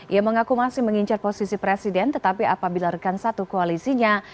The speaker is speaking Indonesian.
ia mengaku masih mengincar posisi presiden tetapi apabila rekan satu koalisinya